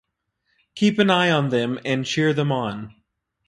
Keep an eye on them and cheer them on.